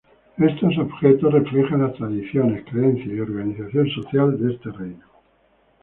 Estos objetos reflejan las tradiciones, creencias y organización social de este reino.